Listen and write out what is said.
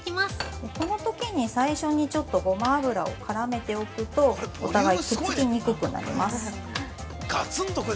◆このときに、最初にちょっとゴマ油を絡めておくと、お互いくっつきにくくなります。